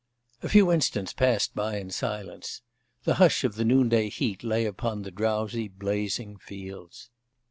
A few instants passed by in silence. The hush of the noonday heat lay upon the drowsy, blazing fields.